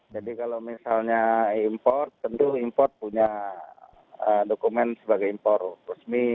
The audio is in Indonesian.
jadi kalau misalnya import tentu import punya dokumen sebagai import resmi